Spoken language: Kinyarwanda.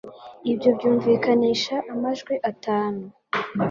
Ibyo byumvikanisha amajwi atanu